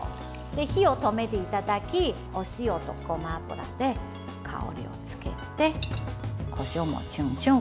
火を止めていただきお塩と、ごま油で香りをつけてこしょうも少々。